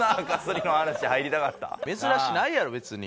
珍しないやろ別に。